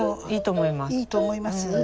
いいと思います。